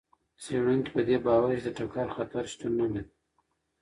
څېړونکي په دې باور دي چې د ټکر خطر شتون نه لري.